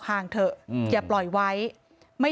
ตังค์อะไรอีก